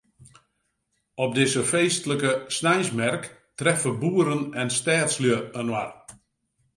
Op dizze feestlike sneinsmerk treffe boeren en stedslju inoar.